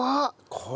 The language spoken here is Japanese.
これ。